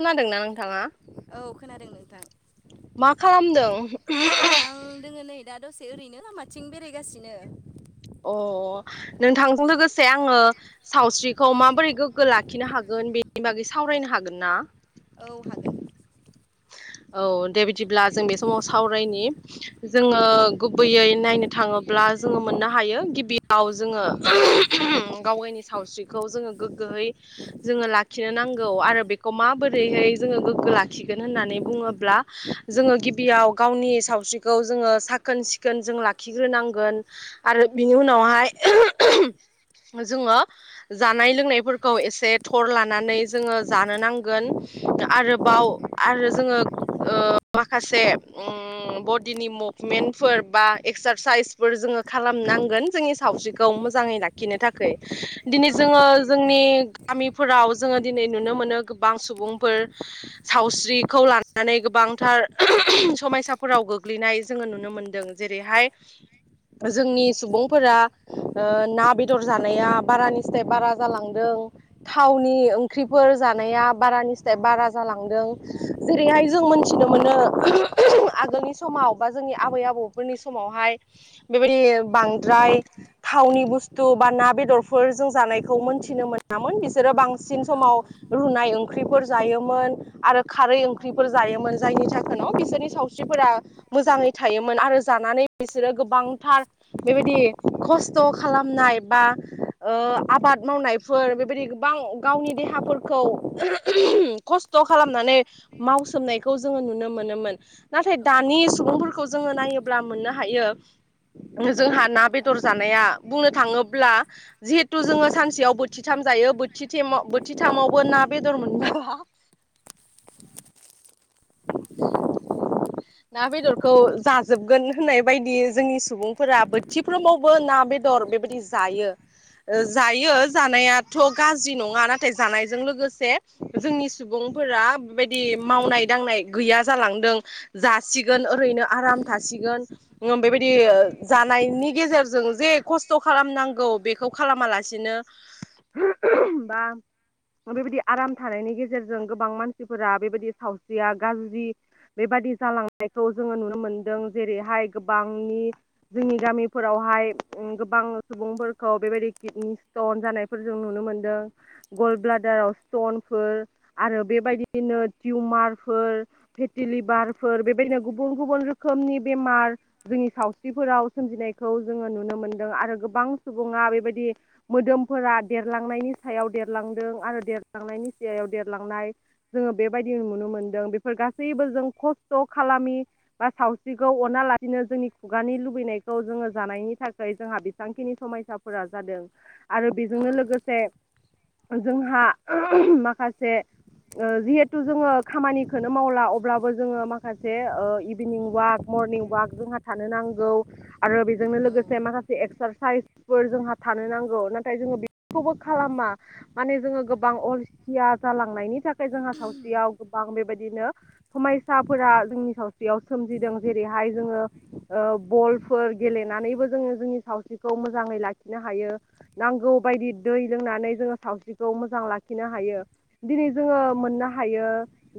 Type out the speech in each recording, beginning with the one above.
खोनादोंना नोंथाङा? औ खोनादों नोंथां। मा खालामदों? [unintelligible] आं दोङो नै दा दसे ओरैनो लामाथिं बेरायगासिनो अ नोंथांजों लोगोसे आङो सावस्रि खौ माबोरै गोग्गो लाखिनो हागोन बेनि बागै सावरायनो हागोन ना? औ हागोन औ दे बिदिब्ला जों बे समाव सावरायनि जोङो गुबैयै नायनो थाङोब्ला बा जोङो मोननो हायो गिबियाव जोङो [unintelligible] गाव गायनि सावस्रिखौ जोङो गोग्गोहै यै जोङो लाखिनो नांगौ आरो बेखौ माबोरैहाय जोङो गोगो लाखि गोन होननानै बुङोब्ला जोङो गिबियाव गावनि सावस्रिखौ जोङो साखोन सिखोन जों ला लाखिग्रोनांगोन आरो बिनि उनावहाय [unintelligible] जोङो जानाय लोंनायफोरखौ एसे थर लानानै जोङो जानो नांगोन आरोबाव आरो जोङो ओ माखासे उम ओम बडिनि मुभमेन्टफोर बा एक्सारसाइसफोर जोङो खालामनांगोन जोंनि सावस्रिखौ मोजाङै लाखिनो थाखाय दिनै औ जोङो जोंनि गामिफोराव जोङो दिनै नुनो मोनो गोबां सुबुंफोर सावसि रिखौ लानानै गोबांथार [unintelligible] समायसाफोराव गोग्लैनाय जोङो नुनो मोनदों जेरैहाय [unintelligible] जोंनि सुबुंफोरा ओ ना बेदर जानाया बारानि स्राय बारा जालांदों थावनि ओंख्रिफोर जानाया बार निस्राय बारा जालांदों जेरैहाय जों मोनथिनो मोनो [unintelligible] आगोलनि समाव बा जोंनि आबै आबौफोरनि समाव आवहाय बेबादि बांद्राय थावनि बुसतु बा ना बेदरफोर जों जानाय खौ मोनथिनो मोनामोन बिसोरो बांसिन औ औ समाव रुनाय ओंख्रिफोर जायोमोन आरो खारै ओंख्रिफोर जायोमोन जायनि जाहोनाव बिसोरनि सावस्रिफोरा मोजाङै थायोमोन आरो जानानै बिसोरो गोबांथार बेबायदि खस्थ खालामनाय बा ओ आ आबाद मावनायफोर बेबायदि गोबां गावनि देहाफोरखौ [unintelligible] खस्थ' खालामनानै मावसोमनायखौ जोङो नुनो मोनोमोन नाथाय औ दानि सुबुंफोरखौ जोङो नायोब्ला मोननो हा हायो जोंहा ना बेदर जानाया बुंनो थाङोब्ला जिहेथु जोङो सानसेयाव बोथिथाम जायो बोथि थेमाव बोथिथामावबो ना बेदर मोनबावा [inaudible] ना बेदरखौ जाजोबगोन होननाय बायदि जोंनि सुबुंफोरा बोथिफ्रोमावबो ना बेदर बेबायदि जायो। ओ जायो जानायाथ' गाज्रि नङा नाथाय जानायजों लोगोसे जोंनि सुबुं फोरा बेबायदि मावनाय दांनाय गैया जालांदों जासिगोन ओरैनो आराम थासिगोन [unintelligible] बेबायदि बे जानायनि गेजेरजों जे खस्थ खालामनांगौ बेखौ खालामालासिनो बा [unintelligible] बिदि आराम थानायनि गेजेरजों गोबां मानसिफोरा बेबायदि साव स्रिया गाज्रि बेबादि जालांनायखौ जोङो नुनो मोनदों जेरैहाय गोबांनि जोंनि गामिफोरावहाय‌ उम गोबां सुबुंफोरखौ बेबायदि किडनि स्टन जानायफोरजों नु नुनो मोन्दों गलब्लादार आव स्तनफोर आरो बेबायदिनो तिउमार फोर फेतिलिभारफोर बेबायदिनो गुबुन गुबुन रोखोमनि बेमार जोंनि सावस्रि फोराव सोमजिनायखौ जोङो नुनो मोनदों आरो गोबां सुबुङा बेबायदि मोदोमफोरा देरला लांनायनि सायाव देरलांदों आरो देरलांनायनि सायाव देरलांनाय जोङो बेबायदि नुनो मोन दों बेफोर गासैबो जों खस्थ खालामि बा सावस्रिखौ अना लासिनो जोंनि खुगानि लु बैनायखौ जोङो जानायनि थाखाय जोंहा बेसेबांखिनि समायसाफोरा जादों आरो बेजोंनो लोगोसे जोंहा माखासे ओ जिहेथु जोङो खामानि खोनो मावला अब्लाबो जोङो माखासे ओ इभिनिं वाक मरनिं वाक जोंहा थानो नांगौ आरो बेजोंनो औ लोगोसे माखासे एक्सारसाइस फोर जोंहा थानो नांगौ नाथाय जोङो बेखौबो खालामा माने जोङो गोबां अलसिया जालांनायनि थाखाय जोंहा सावस्रियाव गोबां बेबाय दिनो समायसाफोरा जोंनि सावस्रियाव सोमजिदों जेरैहाय जोङो ओ बल फोर गेलेनानैबो जोङो जोंनि सावस्रिखौ मोजाङै लाखिनो हायो नांगौ बायदि दै लों नानै जोङो सावस्रिखौ मोजां लाखिनो हायो दिनै जोङो मोननो हायो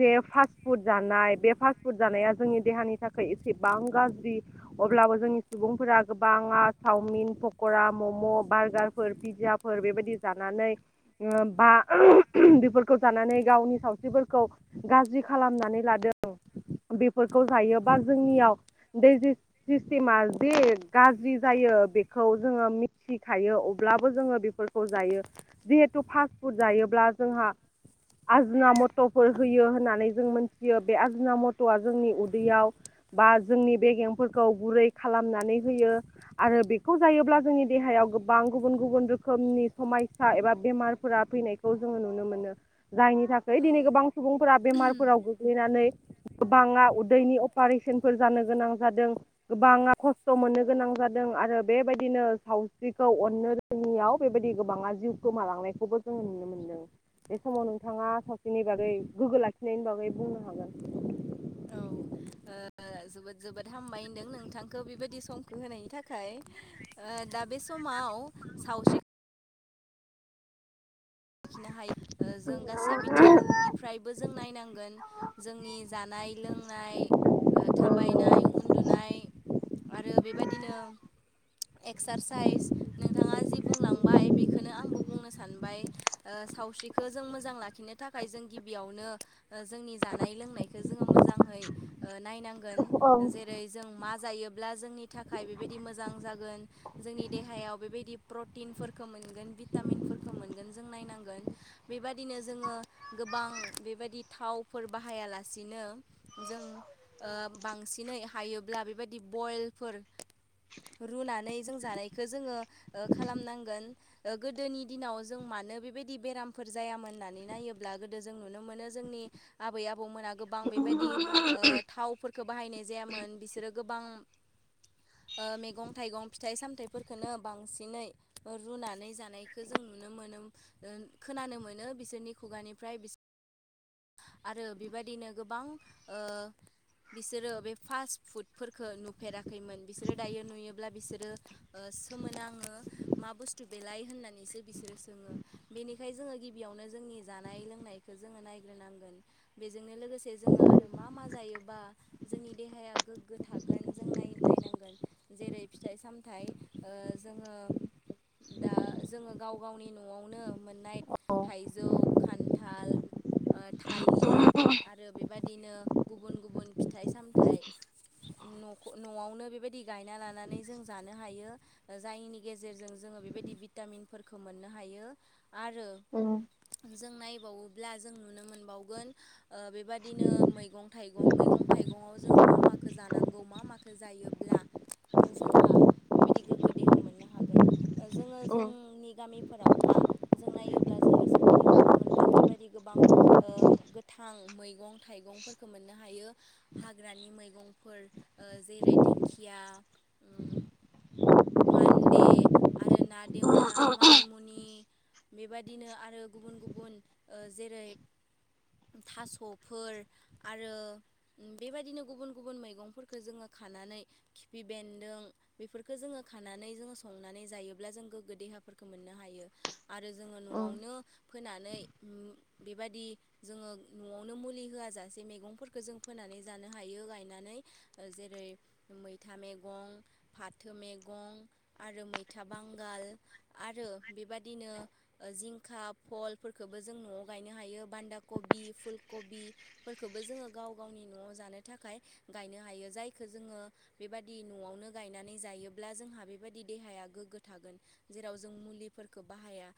जे फास्ट फुड जानाय बे फास्टफुड जानाया जोंनि देहानि थाखाय एसेबां गाज्रि अब्लाबो जों नि सुबुंफोरा गोबाङा सावमिन पकरा म'म' बार्गारफोर पिज्जाफोर बेबायदि जा नानै ओ बा बेफोरखौ जानानै गावनि सावस्रिफोरखौ गाज्रि खालामनानै लादों बेफोरखौ जायोबा जोंनियाव डाइजेस सिस्टेमा जे गाज्रि जा यो बेखौ जोङो मिथिखायो अब्लाबो जोङो बेफोरखौ जायो जिहेथु फास्तफुड जायोब्ला जोंहा आजिना मट'फोर होयो होननानै जों मोनथियो बे आजिना मट'आ जोंनि उदैयाव बा जोंनि बेगेंफोरखौ गुरै खालाम नानै होयो आरो बेखौ जायोब्ला जोंनि देहायाव गोबां गुबुन गुबुन रोखोमनि समाय सा एबा बेमारफोरा फैनायखौ जोङो नुनो मोनो जायनि थाखाय दिनै गोबां औ सुबुंफोरा बेमार गोबाङा उदैनि अपारेशनफोर जानो गोनां जादों गोबाङा खस्थ' मोननो गोनां जा जादों आरो बेबायदिनो सावस्रिखौ अननो रोङै याव बेबायदि गोबाङा जिउ गोमालांनायखौबो जों नुनो मोनदों बे समाव नोंथाङा सावस्रिनि बागै गोग्गो लाखिनायनि बागै बुंनो हागोन औ ओ ओ जोबोद जोबोद हामबाय होनदों नोंथांखो बेबायदि समखौ होनायनि थाखाय ओ‌ दा बे समाव सावस्रि लाखिनो हायो जों गासै बिथिंनिफ्रायबो जों नायनां गोन जोंनि जानाय लोंनाय ओ थाबायनाय उन्दुनाय आरो बेबायदिनो एक्सारसाइस नोंथाङा जि बुंलांबाय बेखोनो आंबो बुंनो सानबाय ओ सावस्रिखो जों मोजां लाखिनो थाखाय जों गिबियावनो ओ जोंनि जानाय लोंनायखौ जोङो मोजां जाङै ओ नायनांगोन जेरै जों मा जायोब्ला जोंनि थाखाय बेबायदि मोजां जागोन जोंनि देहायाव बेबायदि प्रटिनफोरखो मोनगोन भिटामिनफोरखो मोनगोन जों नायनां गोन बेबादिनो जोङो गोबां बेबायदि थावफोर बाहायालासिनो जों ओ बांसिनै हायोब्ला बेबायदि बयेलफोर रुनानै जों जानायखौ जोङो ओ खालामनांगोन ओ गोदोनि दिनाव जों मानो बे बायदि बेरामफोर जायामोन होननानै नायोब्ला गोदो जों नुनो मोनो जोंनि आबै आबौमोना गोबां बेबायदि ओ थावफोरखौ बाहायनाय जायामोन बिसोरो गोबां ओ मैगं थाइगं फिथाइ सामथाइफोरखौनो बांसिनै रुनानै जानायखो जों नुनो मोनो ओ खोनानो मोनो बिसोरनि खुगानिफ्राय बिस आरो बेबायदिनो गोबां ओ बिसोरो बे फास्ट फुडफोरखौ नुफेराखैमोन बिसोरो दायो नुयोब्ला बिसोरो ओ सोमो नाङो मा बुस्थु बेलाय होननानैसो बिसोरो सोङो बेनिखाय जोङो गिबियावनो जोंनि जानाय लोंनायखौ जोङो नायग्रोनांगोन बेजोंनो लोगोसे जोङो आरो मा मा जायोबा जोंनि देहाया गोग्गो थागोन जों नाय नायनांगोन जेरै फिथाइ सामथाइ ओ जोङो दा जोङो गाव गावनि न' न'आवनो मोननाय औ थाइजौ खान्थाल, ओ थालिर आरो बेबादिनो गुबुन गुबुन फिथाइ सामथाइ, न'ख न'आवनो बेबायदि गायना लानानै जों जानो हायो जायनि गेजेरजों जोङो, बेबायदि भिटामिनफोरखौ मोननो हायो आरो जों नायबावोब्ला जों नुनो मोनबावगोन ओ बेबादिनो मैगं थाइगं मैगं थाइगं न'आव जोङो मा माखो जानांगौ मा माखो जायोब्ला जोंहा बेबायदि गोग्गो देहा मोननो हागोन ओ जोङो जोंनि गामि फोरावहा जों नायोब्ला जोंनि सोरगिदिं नुनो मोनगोन बेबायदि गोबां ओ गोथां मैगं थाइगंफोरखौ मोननो हायो हाग्रानि मैगंफोर ओ जेरै दिंखि या [inaudible] मान्दे आरो ना देवना मानि मु नि बेबादिनो आरो गुबुन गुबुन ओ जेरै थास'फोर आरो बेबायदिनो गुबुन गुबुन मैगंफोरखौ जोङो खानानै खिफि बेन्दों बेफोरखौ जोङो खानानै जोंङो संनानै जायोब्ला जों गोग्गो देहा देहाफोरखौ मोननो हायो आरो जोङो न'आवनो, फोनानै उम बेबादि जोङो न'आवनो मुलि होआ जासे मेगंफोरखो जों फोना जानो हायो गायनानै ओ जेरै मैथा मेगं फाथो मेगं आरो मैथा बांगाल आरो बेबादिनो ओ जिंखा भलफोरखोबो जों न'आव गायनो हायो बान्दा कबि फुल कबिफोरखोबो जोङो गाव गावनि न'आव जानो थाखाय गायनो हायो जायखो जोङो बे, बेबादि न'आवनो गायनानै जायोब्ला जोंहा बेबादि देहाया गोग्गो थागोन जेराव जों मुलि, फोरखो बाहाया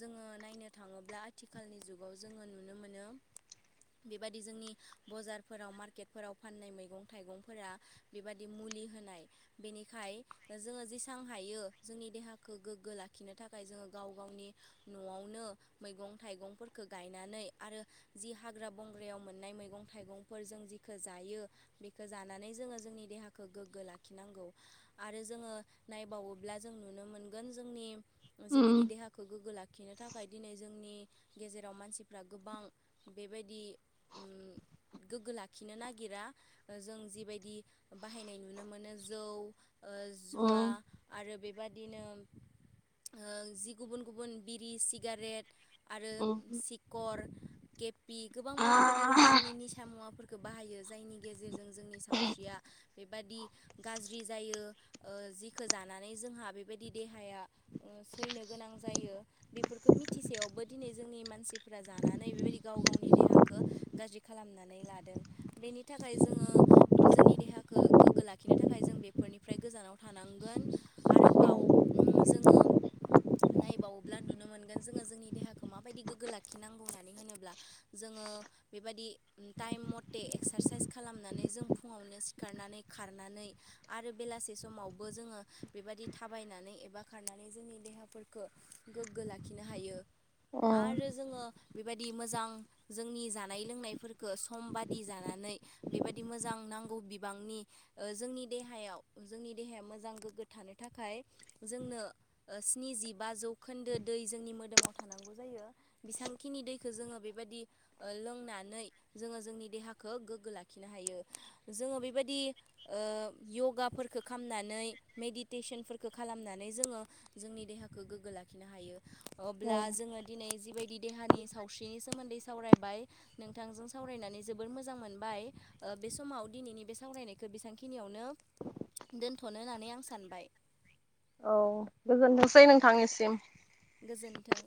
जोङो नायनो थाङोब्ला आथिखालनि जुगाव जोङो नुनो मोनो, बेबादि जोंनि बजारफोराव मार्केटफोराव फाननाय मैगं -थाइगंफोरा बेबादि मु मुलि होनाय बेनिखाय जोङो जेसां हायो जोंनि देहाखो गोग्गो लाखिनो थाख खाय जोङो गाव गावनि न'आवनो मैगं -थाइगंफोरखो गायनानै आरो जि हाग ग्रा बंग्रायाव मोननाय मैगं थाइगंफोर जों जिखो जायो बेखो जानानै जोङो जोंनि देहाखो, गोग्गो लाखिनांगौ आरो जोङो नायबावोब्ला जों नुनो मोनगोन जोंनि, जिबायदि देहाखौ गोगो लाख खिनो थाखाय दिनै जोंनि गेजेराव मानसिफ्रा गोबां बेबायदि, [unintelligible] उम गोग्गो लाखिनो नागिरा जों जिबायदि बाहायनाय नुनो मोनो जौ, ओ जुवा आरो बेबादिनो ओ जि गुबुन गुबुन बिरि सिगारेट आरो सिकर केपपि गोबां बायदि बायदि रोखोमनि निसा मुवाफोर, खो बाहायो जायनि गेजेरजों जोंनि सावस्रिया बेबादि गाज्रि जायो ओ जिखो जानानै जोंहा बेबायदि देहाया, उम थैनो गोनां जायो बेफोरखो मिथिसेयावबो दिनै जोंनि मानसिफोरा जानानै बेबायदि गाव गावनि देहाखो गाज्रि खालामनानै लादों बेनि थाखाय जोङो जोंनि देहा, खो गोग्गो लाखिनो थाखाय जों बेफोरनिफ्राय गोजानाव थानांगोन आरोबाव उम जोङो नायबावोब्ला नुनो मोनगोन जोङो जोंनि देहाखौ माबायदि गोग्गो लाखिनांगौ होननानै होनोब्ला जोङो ओ बेबादि उम टाइम मते एक्सारसाइस खालामनानै जों फुङावनो सिखारनानै खार नानै आरो बेलासे समावबो जोङो बेबादि थाबायनानै एबा खारनानै जोंनि देहाफोरखो गोग्गो लाखिनो हायो आरो जोङो बेबायदि मोजां जोंनि जानाय लोंनायफोरखो सम बादि जानानै बेबादि मोजां ना नांगौ बिबांनि ओ जोंनि देहायाव जोंनि देहाया मोजां गोग्गो थानो थाखाय जोंनो ओ स्निजि बा जौखोन्दो दै जोंनि मोदोमाव थानांगौ जायो बेसांखिनि दैखो जोङो बेबादि ओ लोंनानै जोङो जोंनि देहाखो गोग्गो लाखिनो हायो। जोङो बेबायदि ओ य'गाफोरफोरखो खामनानै मेडिटेसनफोरखो खालामनानै जोङो जोंनि देहाखो गोग्गो लाखिनो हायो। अब्ला जोङो दिनै जिबायदि देहानि सावस्रिनि सोमोन्दै सावरायबाय नोंथांजों सावरायनानै जोबोर मोजां मोनबाय ओ बे समाव दिनैनि बे सावरायनायखो बेसांखिनियावनो दोनथ'नो होननानै आं सानबाय। औ गोजोनथोंसै नोंथांनिसिम। गोजोन्थों।